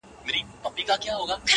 ويني ته مه څښه اوبه وڅښه’